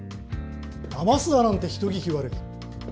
だますだなんて人聞き悪い。